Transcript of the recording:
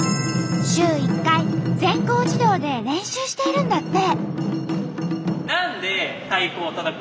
週１回全校児童で練習しているんだって。